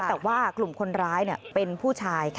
แต่ว่ากลุ่มคนร้ายเป็นผู้ชาย